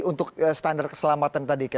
untuk standar keselamatan tadi